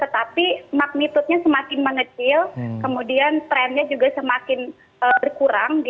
tapi magnitude nya semakin menecil kemudian trend nya juga semakin berkurang